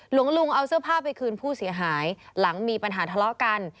หลวงลุงเอาเสื้อผ้าไปคืนผู้เสียหายหลังมีปัญหาทะเลาะกัน